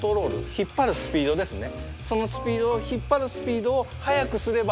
引っ張るスピードですね。